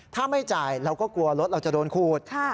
ถ้าไม่จ่ายเราก็กลัวรถเราจะโดนขูด